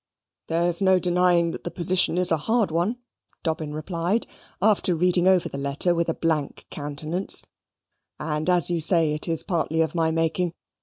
"There's no denying that the position is a hard one," Dobbin replied, after reading over the letter with a blank countenance; "and as you say, it is partly of my making.